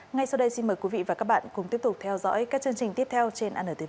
ngay sau đây xin mời quý vị và các bạn cùng tiếp tục theo dõi các chương trình tiếp theo trên anntv